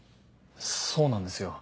そうなんですよ